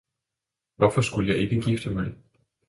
'Hvorfor skulle jeg ikke gifte mig!